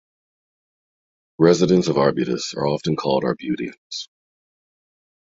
Residents of Arbutus are often called Arbutians.